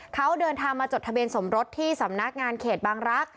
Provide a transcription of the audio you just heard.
เขาเดินทางมาจดทะเบียนสมรสที่สำนักงานเขตบางรักษ